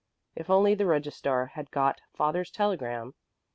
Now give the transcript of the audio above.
If only the registrar had got father's telegram.